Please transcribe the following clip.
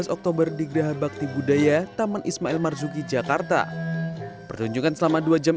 dua belas oktober di geraha bakti budaya taman ismail marzuki jakarta pertunjukan selama dua jam